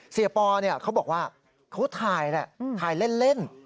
ปอเขาบอกว่าเขาถ่ายแหละถ่ายเล่น